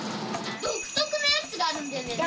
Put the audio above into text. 独特なやつがあるんだよね。